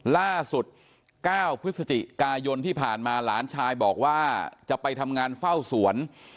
ล่าสุด๙พฤศจิกายนที่ผ่านมาหลานชายบอกว่าจะไปทำงานเฝ้าสวน